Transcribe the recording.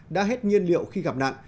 đã hết nhiên liệu khi gặp nạn